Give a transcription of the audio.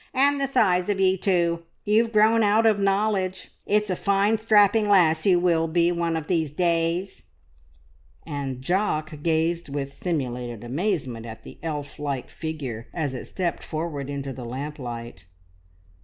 And the size of ye too. You've grown out of knowledge! It's a fine strapping lass you will be one of these days." And Jock gazed with simulated amazement at the elf like figure as it stepped forward into the lamplight.